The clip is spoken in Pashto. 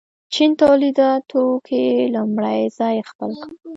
چین تولیداتو کې لومړی ځای خپل کړ.